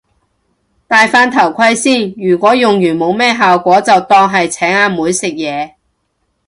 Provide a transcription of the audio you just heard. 戴返頭盔先，如果用完冇咩效果就當係請阿妹食嘢